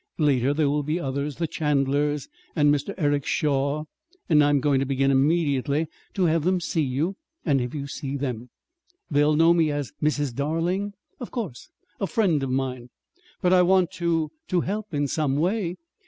Later there will be others the Chandlers, and Mr. Eric Shaw. And I'm going to begin immediately to have them see you, and have you see them." "They'll know me as 'Mrs. Darling'?" "Of course a friend of mine." "But I want to to help in some way."